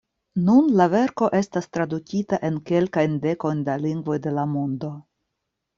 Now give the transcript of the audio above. Nun la verko estas tradukita en kelkajn dekojn da lingvoj de la mondo.